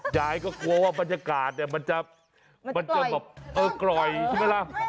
ยายก็กลัวว่าบรรยากาศมันจะกล่อยใช่ไหมล่ะ